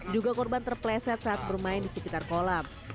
juga korban terpleset saat bermain di sekitar kolam